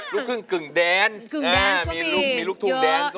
ลูกทุ้งกึ่งแดนซ์